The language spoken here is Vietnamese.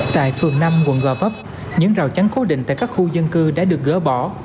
tại phường năm quận gò vấp những rào chắn cố định tại các khu dân cư đã được gỡ bỏ